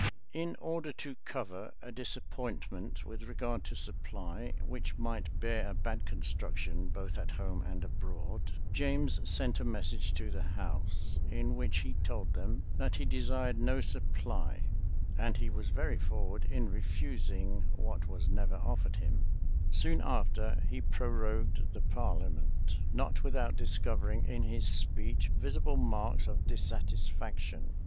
In order to cover a disappointment with regard to supply, which might bear a bad construction both at home and abroad, James sent a message to the house,[*] in which he told them that he desired no supply; and he was very forward in refusing what was never offered him. * Parliamentary Hist. vol. v. p. 108. Soon after, he prorogued the parliament, not without discovering in his speech visible marks of dissatisfaction.